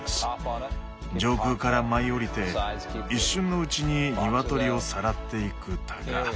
上空から舞い降りて一瞬のうちにニワトリをさらっていくタカ。